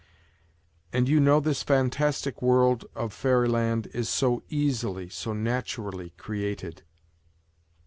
And you know this fantastic world of WHITE NIGHTS 19 fairyland is so easily, so naturally created